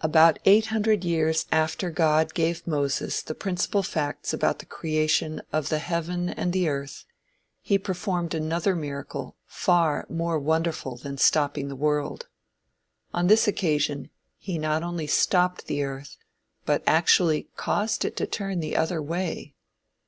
About eight hundred years after God gave Moses the principal facts about the creation of the "heaven and the earth" he performed another miracle far more wonderful than stopping the world. On this occasion he not only stopped the earth, but actually caused it to turn the other way.